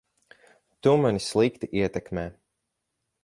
Tu mani slikti ietekmē.